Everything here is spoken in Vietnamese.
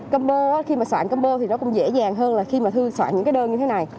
combo khi mà sản combo thì nó cũng dễ dàng hơn là khi mà thư soạn những cái đơn như thế này